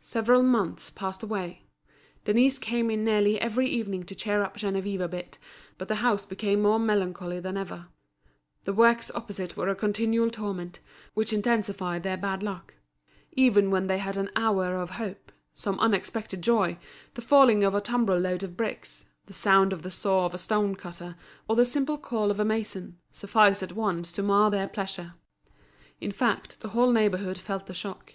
Several months passed away. Denise came in nearly every evening to cheer up Geneviève a bit, but the house became more melancholy than ever. The works opposite were a continual torment, which intensified their bad luck. Even when they had an hour of hope—some unexpected joy—the falling of a tumbrel load of bricks, the sound of the saw of a stonecutter, or the simple call of a mason, sufficed at once to mar their pleasure. In fact, the whole neighbourhood felt the shock.